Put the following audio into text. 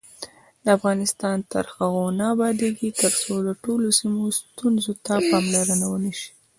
افغانستان تر هغو نه ابادیږي، ترڅو د ټولو سیمو ستونزو ته پاملرنه ونشي.